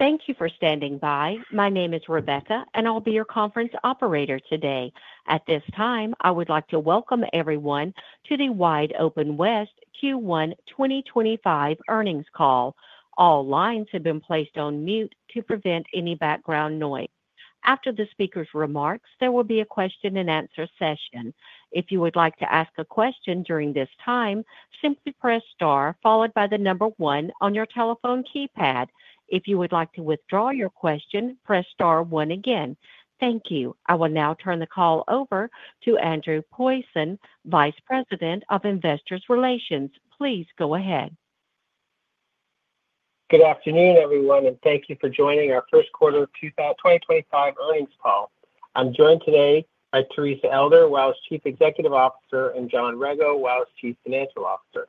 Thank you for standing by. My name is Rebecca, and I'll be your conference operator today. At this time, I would like to welcome everyone to the WideOpenWest Q1 2025 earnings call. All lines have been placed on mute to prevent any background noise. After the speaker's remarks, there will be a question-and-answer session. If you would like to ask a question during this time, simply press star followed by the number one on your telephone keypad. If you would like to withdraw your question, press star one again. Thank you. I will now turn the call over to Andrew Posen, Vice President of Investor Relations. Please go ahead. Good afternoon, everyone, and thank you for joining our first quarter of 2025 earnings call. I'm joined today by Teresa Elder, WideOpenWest Chief Executive Officer, and John Rego, WideOpenWest Chief Financial Officer.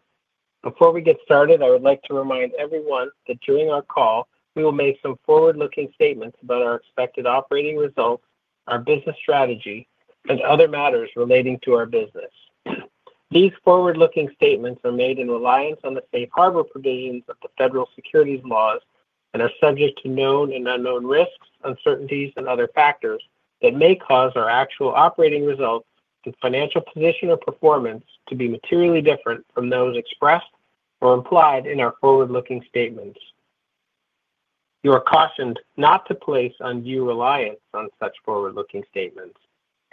Before we get started, I would like to remind everyone that during our call, we will make some forward-looking statements about our expected operating results, our business strategy, and other matters relating to our business. These forward-looking statements are made in reliance on the safe harbor provisions of the federal securities laws and are subject to known and unknown risks, uncertainties, and other factors that may cause our actual operating results and financial position or performance to be materially different from those expressed or implied in our forward-looking statements. You are cautioned not to place undue reliance on such forward-looking statements.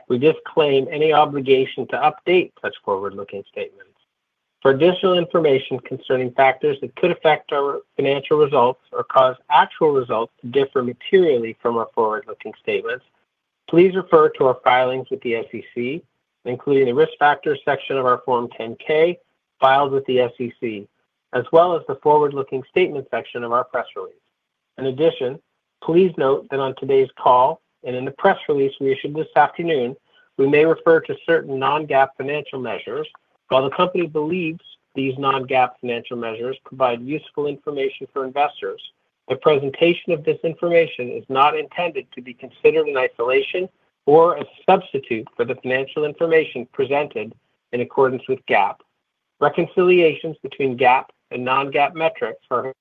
We disclaim any obligation to update such forward-looking statements. For additional information concerning factors that could affect our financial results or cause actual results to differ materially from our forward-looking statements, please refer to our filings with the SEC, including the risk factors section of our Form 10-K filed with the SEC, as well as the forward-looking statement section of our press release. In addition, please note that on today's call and in the press release we issued this afternoon, we may refer to certain non-GAAP financial measures. While the company believes these non-GAAP financial measures provide useful information for investors, the presentation of this information is not intended to be considered in isolation or a substitute for the financial information presented in accordance with GAAP. Reconciliations between GAAP and non-GAAP metrics for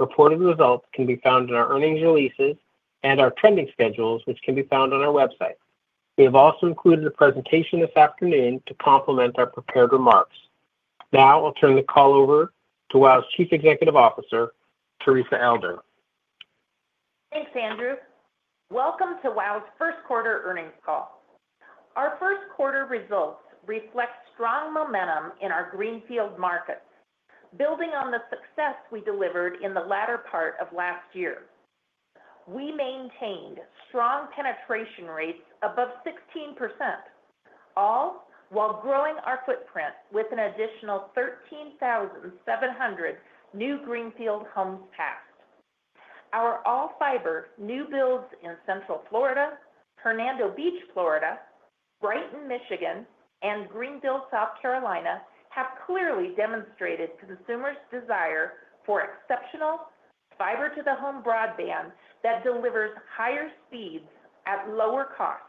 reported results can be found in our earnings releases and our trending schedules, which can be found on our website. We have also included a presentation this afternoon to complement our prepared remarks. Now I'll turn the call over to WideOpenWest Chief Executive Officer, Teresa Elder. Thanks, Andrew. Welcome to WideOpenWest's first quarter earnings call. Our first quarter results reflect strong momentum in our greenfield markets, building on the success we delivered in the latter part of last year. We maintained strong penetration rates above 16%, all while growing our footprint with an additional 13,700 new greenfield homes passed. Our all-fiber new builds in Central Florida, Hernando Beach, Florida, Brighton, Michigan, and Greenville, South Carolina, have clearly demonstrated consumers' desire for exceptional fiber-to-the-home broadband that delivers higher speeds at lower costs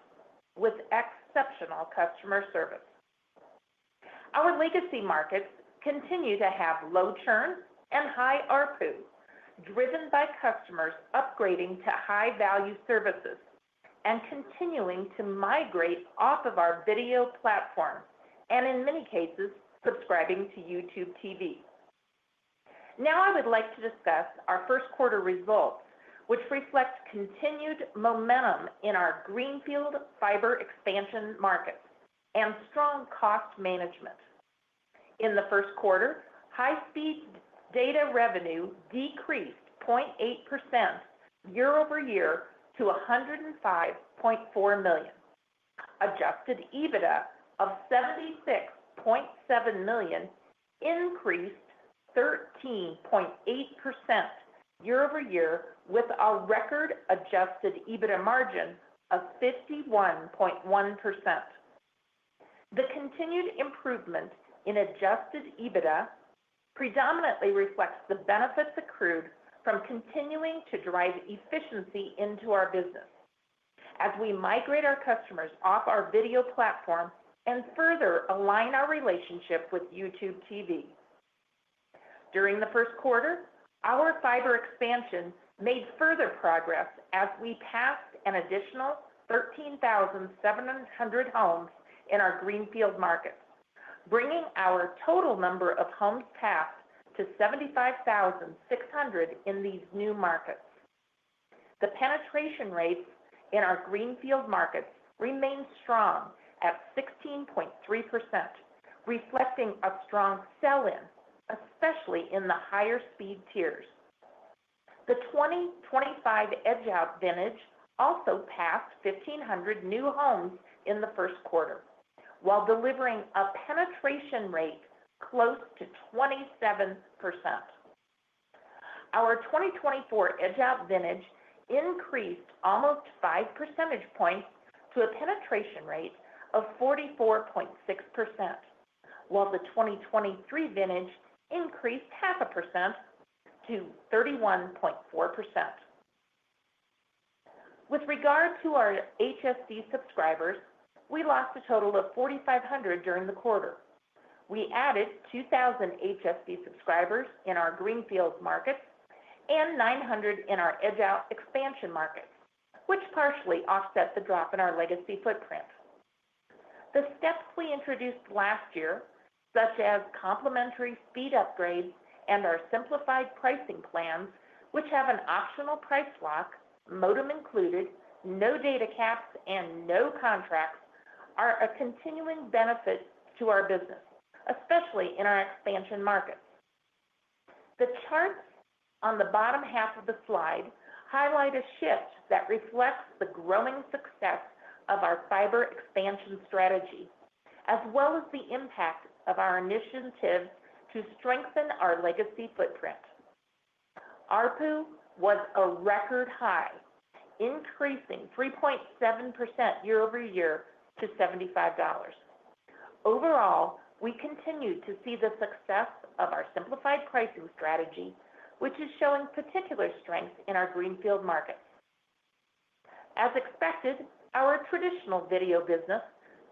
with exceptional customer service. Our legacy markets continue to have low churn and high RPU, driven by customers upgrading to high-value services and continuing to migrate off of our video platform and, in many cases, subscribing to YouTube TV. Now I would like to discuss our first quarter results, which reflect continued momentum in our greenfield fiber expansion markets and strong cost management. In the first quarter, high-speed data revenue decreased 0.8% year-over-year to $105.4 million. Adjusted EBITDA of $76.7 million increased 13.8% year-over-year with a record adjusted EBITDA margin of 51.1%. The continued improvement in adjusted EBITDA predominantly reflects the benefits accrued from continuing to drive efficiency into our business as we migrate our customers off our video platform and further align our relationship with YouTube TV. During the first quarter, our fiber expansion made further progress as we passed an additional 13,700 homes in our greenfield markets, bringing our total number of homes passed to 75,600 in these new markets. The penetration rates in our greenfield markets remained strong at 16.3%, reflecting a strong sell-in, especially in the higher speed tiers. The 2025 edge-out vintage also passed 1,500 new homes in the first quarter, while delivering a penetration rate close to 27%. Our 2024 edge-out vintage increased almost five percentage points to a penetration rate of 44.6%, while the 2023 vintage increased half a percentage point to 31.4%. With regard to our HSD subscribers, we lost a total of 4,500 during the quarter. We added 2,000 HSD subscribers in our greenfield markets and 900 in our edge-out expansion markets, which partially offset the drop in our legacy footprint. The steps we introduced last year, such as complementary speed upgrades and our simplified pricing plans, which have an optional price lock, modem included, no data caps, and no contracts, are a continuing benefit to our business, especially in our expansion markets. The charts on the bottom half of the slide highlight a shift that reflects the growing success of our fiber expansion strategy, as well as the impact of our initiatives to strengthen our legacy footprint. RPU was a record high, increasing 3.7% year-over-year to $75. Overall, we continue to see the success of our simplified pricing strategy, which is showing particular strength in our greenfield markets. As expected, our traditional video business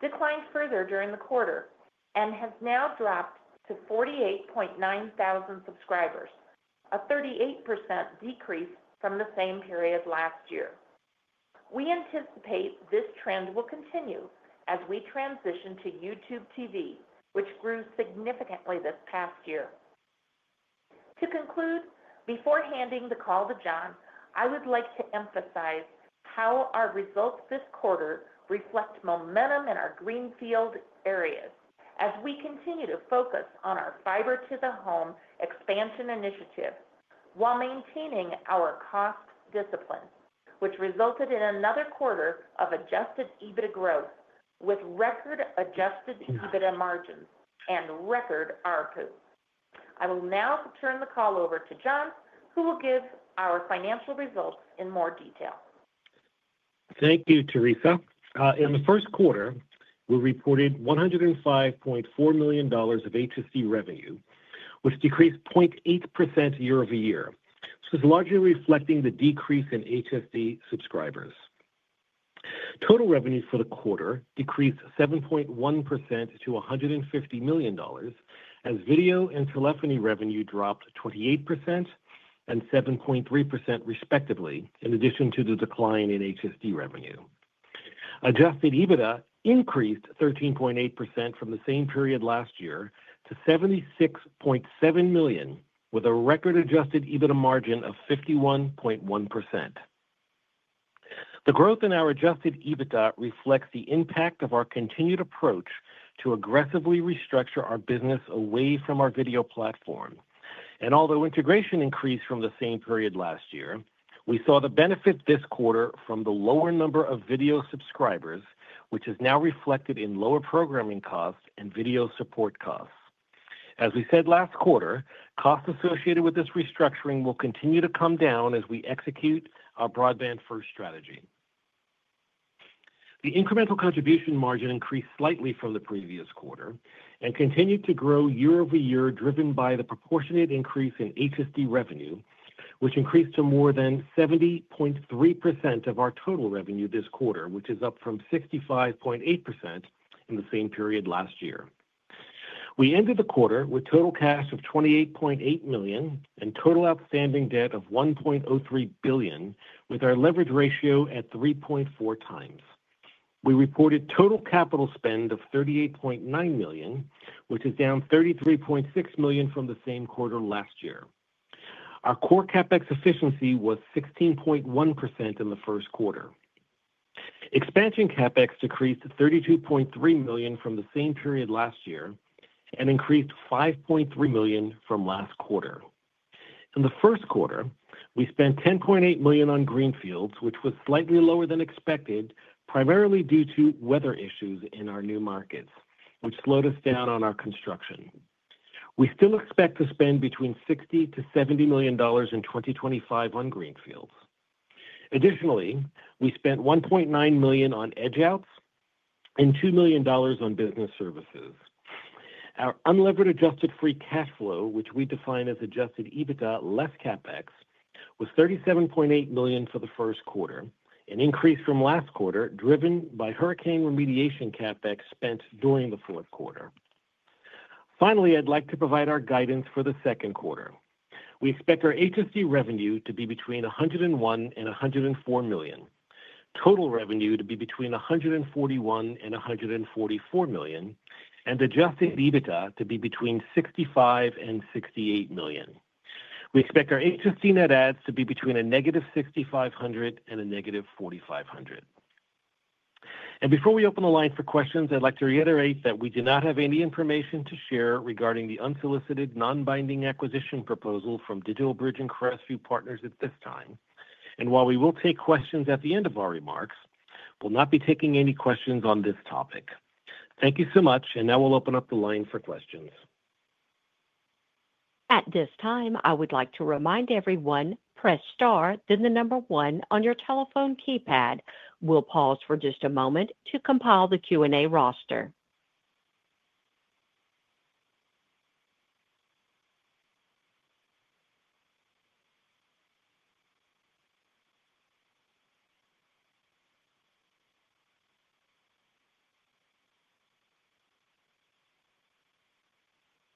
declined further during the quarter and has now dropped to 48,900 subscribers, a 38% decrease from the same period last year. We anticipate this trend will continue as we transition to YouTube TV, which grew significantly this past year. To conclude, before handing the call to John, I would like to emphasize how our results this quarter reflect momentum in our greenfield areas as we continue to focus on our fiber-to-the-home expansion initiative while maintaining our cost discipline, which resulted in another quarter of adjusted EBITDA growth with record adjusted EBITDA margins and record RPU. I will now turn the call over to John, who will give our financial results in more detail. Thank you, Teresa. In the first quarter, we reported $105.4 million of HSD revenue, which decreased 0.8% year-over-year, which is largely reflecting the decrease in HSD subscribers. Total revenue for the quarter decreased 7.1% to $150 million, as video and telephony revenue dropped 28% and 7.3%, respectively, in addition to the decline in HSD revenue. Adjusted EBITDA increased 13.8% from the same period last year to $76.7 million, with a record adjusted EBITDA margin of 51.1%. The growth in our adjusted EBITDA reflects the impact of our continued approach to aggressively restructure our business away from our video platform. Although integration increased from the same period last year, we saw the benefit this quarter from the lower number of video subscribers, which is now reflected in lower programming costs and video support costs. As we said last quarter, costs associated with this restructuring will continue to come down as we execute our broadband-first strategy. The incremental contribution margin increased slightly from the previous quarter and continued to grow year-over-year, driven by the proportionate increase in HSD revenue, which increased to more than 70.3% of our total revenue this quarter, which is up from 65.8% in the same period last year. We ended the quarter with total cash of $28.8 million and total outstanding debt of $1.03 billion, with our leverage ratio at 3.4x. We reported total capital spend of $38.9 million, which is down $33.6 million from the same quarter last year. Our core CapEx efficiency was 16.1% in the first quarter. Expansion CapEx decreased $32.3 million from the same period last year and increased $5.3 million from last quarter. In the first quarter, we spent $10.8 million on greenfields, which was slightly lower than expected, primarily due to weather issues in our new markets, which slowed us down on our construction. We still expect to spend between $60 million-$70 million in 2025 on greenfields. Additionally, we spent $1.9 million on edge-outs and $2 million on business services. Our unleveraged adjusted free cash flow, which we define as adjusted EBITDA less CapEx, was $37.8 million for the first quarter, an increase from last quarter, driven by hurricane remediation CapEx spent during the fourth quarter. Finally, I'd like to provide our guidance for the second quarter. We expect our HSD revenue to be between $101 million-$104 million, total revenue to be between $141 million-$144 million, and adjusted EBITDA to be between $65 million-$68 million. We expect our HSD net adds to be between a -6,500 and a -4,500. Before we open the line for questions, I'd like to reiterate that we do not have any information to share regarding the unsolicited non-binding acquisition proposal from DigitalBridge and Crestview Partners at this time. While we will take questions at the end of our remarks, we'll not be taking any questions on this topic. Thank you so much, and now we'll open up the line for questions. At this time, I would like to remind everyone, press star, then the number one on your telephone keypad. We'll pause for just a moment to compile the Q&A roster.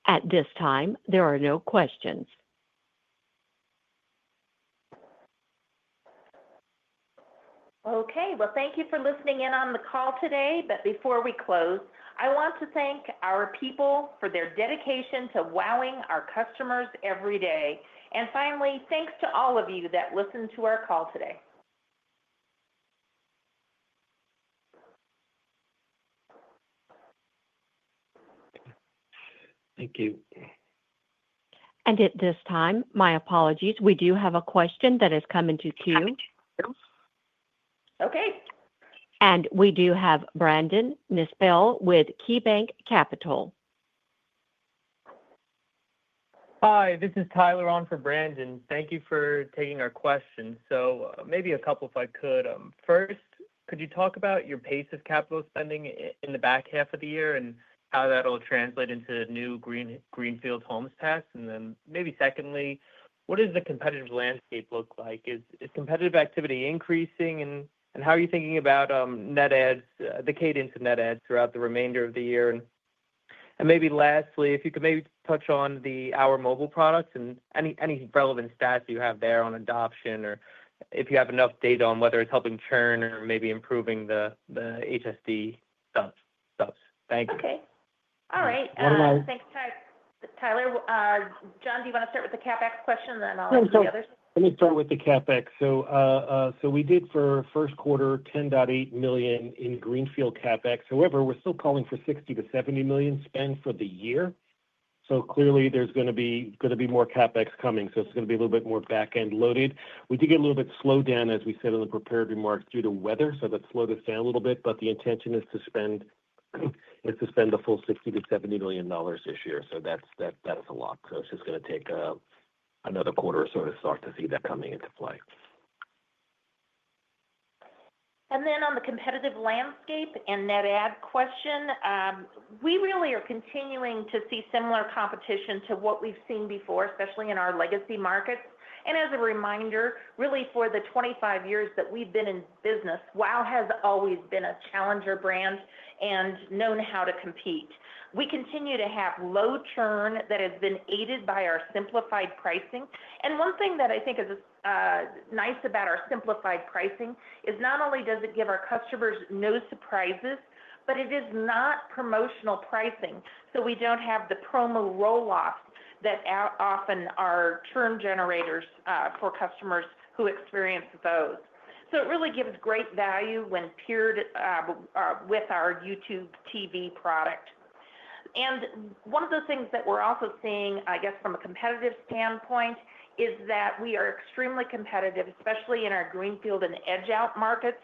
At this time, there are no questions. Thank you for listening in on the call today. Before we close, I want to thank our people for their dedication to wowing our customers every day. Finally, thanks to all of you that listened to our call today. Thank you. At this time, my apologies. We do have a question that has come into queue. Okay. We do have Brandon Nispel with KeyBanc Capital Markets. Hi, this is Tyler On for Brandon. Thank you for taking our questions. Maybe a couple, if I could. First, could you talk about your pace of capital spending in the back half of the year and how that'll translate into new greenfield homes passed? Maybe secondly, what does the competitive landscape look like? Is competitive activity increasing? How are you thinking about the cadence of net adds throughout the remainder of the year? Maybe lastly, if you could maybe touch on the OurMobile products and any relevant stats you have there on adoption or if you have enough data on whether it's helping churn or maybe improving the HSD subs. Thank you. Okay. All right. Thanks, Tyler. John, do you want to start with the CapEx question, and then I'll let you do the other? Let me start with the CapEx. We did, for first quarter, $10.8 million in greenfield CapEx. However, we're still calling for $60 million-$70 million spend for the year. Clearly, there's going to be more CapEx coming. It's going to be a little bit more back-end loaded. We did get a little bit slowed down, as we said in the prepared remarks, due to weather, so that slowed us down a little bit. The intention is to spend the full $60 million-$70 million this year. That is a lot. It's just going to take another quarter or so to start to see that coming into play. On the competitive landscape and net add question, we really are continuing to see similar competition to what we've seen before, especially in our legacy markets. As a reminder, really, for the 25 years that we've been in business, WOW has always been a challenger brand and known how to compete. We continue to have low churn that has been aided by our simplified pricing. One thing that I think is nice about our simplified pricing is not only does it give our customers no surprises, but it is not promotional pricing. We do not have the promo roll-offs that often are churn generators for customers who experience those. It really gives great value when paired with our YouTube TV product. One of the things that we're also seeing, I guess, from a competitive standpoint, is that we are extremely competitive, especially in our greenfield and edge-out markets.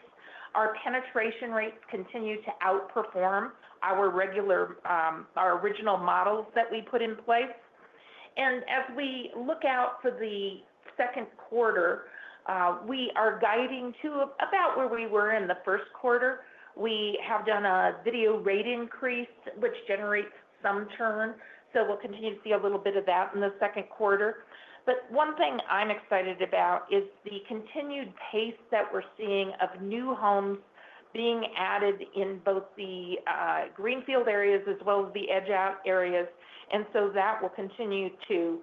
Our penetration rates continue to outperform our original models that we put in place. As we look out for the second quarter, we are guiding to about where we were in the first quarter. We have done a video rate increase, which generates some churn. We will continue to see a little bit of that in the second quarter. One thing I'm excited about is the continued pace that we're seeing of new homes being added in both the greenfield areas as well as the edge-out areas. That will continue to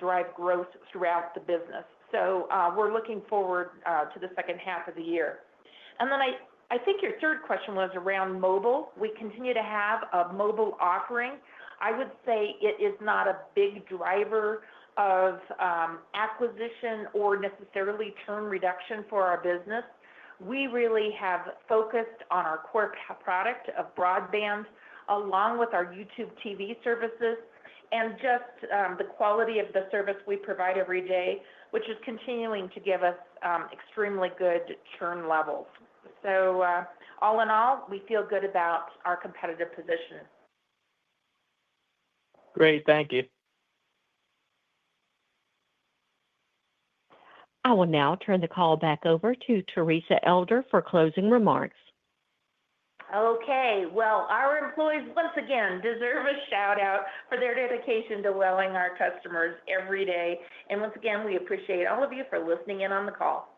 drive growth throughout the business. We are looking forward to the second half of the year. I think your third question was around mobile. We continue to have a mobile offering. I would say it is not a big driver of acquisition or necessarily churn reduction for our business. We really have focused on our core product of broadband along with our YouTube TV services and just the quality of the service we provide every day, which is continuing to give us extremely good churn levels. All in all, we feel good about our competitive position. Great. Thank you. I will now turn the call back over to Teresa Elder for closing remarks. Our employees, once again, deserve a shout-out for their dedication to wowing our customers every day. Once again, we appreciate all of you for listening in on the call.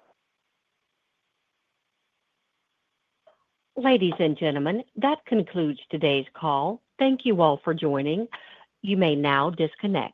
Ladies and gentlemen, that concludes today's call. Thank you all for joining. You may now disconnect.